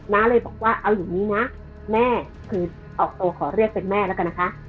น้าเลยบอกว่าเอาอย่างนี้นะแม่คือออกตัวขอเรียกเป็นแม่แล้วกันนะคะ